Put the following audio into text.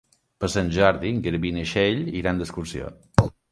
Per Sant Jordi en Garbí i na Txell iran d'excursió.